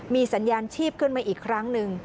มีสัญญาณชีพขึ้นมาอีกครั้งหนึ่ง